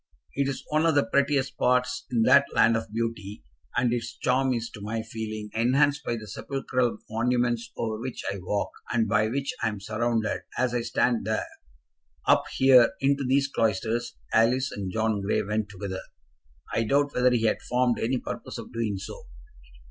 It is one of the prettiest spots in that land of beauty; and its charm is to my feeling enhanced by the sepulchral monuments over which I walk, and by which I am surrounded, as I stand there. Up here, into these cloisters, Alice and John Grey went together. I doubt whether he had formed any purpose of doing so.